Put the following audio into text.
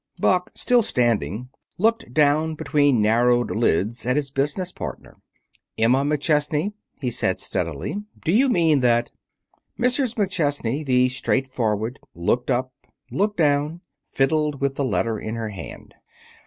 Buck, still standing, looked down between narrowed lids at his business partner. "Emma McChesney," he said steadily, "do you mean that?" Mrs. McChesney, the straightforward, looked up, looked down, fiddled with the letter in her hand.